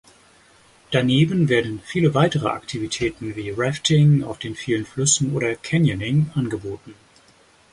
Daneben werden viele weitere Aktivitäten wie Rafting auf den vielen Flüssen oder Canyoning angeboten.